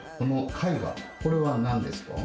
これは何ですか？